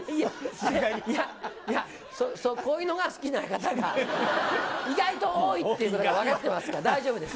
こういうのが好きな方が、意外と多いっていうのが分かってますから、大丈夫です。